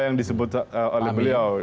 yang disebut oleh beliau